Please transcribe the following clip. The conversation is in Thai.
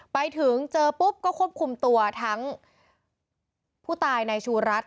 ไปถึงเจอปุ๊บก็ควบคุมตัวทั้งผู้ตายในชูรัฐ